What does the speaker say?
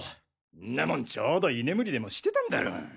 んなもんちょうど居眠りでもしてたんだろ。